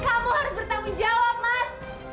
kamu harus bertanggung jawab mas